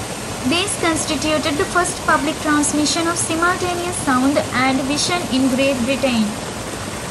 These constituted the first public transmission of simultaneous sound and vision in Great Britain.